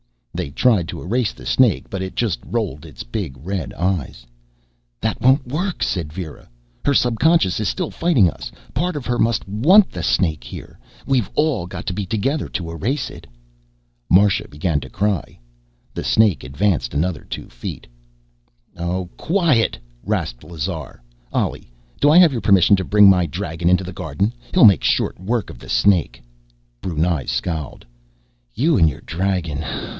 They tried to erase the snake, but it just rolled its big red eyes. "That won't work," said Vera. "Her subconscious is still fighting us. Part of her must want the snake here. We've all got to be together to erase it." Marsha began to cry. The snake advanced another two feet. "Oh, quiet!" rasped Lazar. "Ollie, do I have your permission to bring my dragon into the garden? He'll make short work of the snake." Brunei scowled. "You and your dragon....